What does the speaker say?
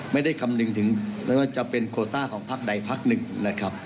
ไม่ได้คำหนึ่งถึงจะเป็นโกรธ่าของภักดิ์ใดภักดิ์หนึ่งนะครับ